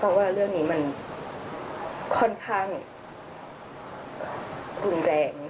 เพราะว่าเรื่องนี้มันค่อนข้างรุนแรง